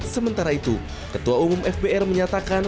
sementara itu ketua umum fbr menyatakan